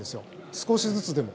少しずつでも。